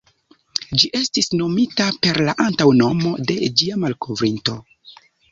Ĝi estis nomita per la antaŭnomo de ĝia malkovrinto.